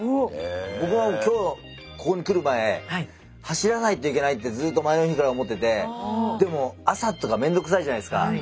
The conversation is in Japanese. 僕は今日ここに来る前走らないといけないってずっと前の日から思っててでも朝とかめんどくさいじゃないすか。